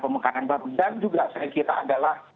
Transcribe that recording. pemekaran baru dan juga saya kira adalah